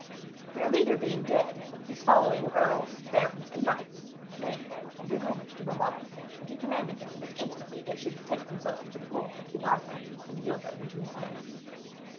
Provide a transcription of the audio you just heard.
Their leader being dead, his following of earls, barons and knights came and did homage to Beaumains, and he commanded that instantly they should betake themselves to the court of King Arthur and yield them into his hands.